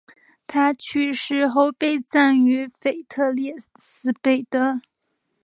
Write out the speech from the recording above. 他去世后被葬于腓特烈斯贝的。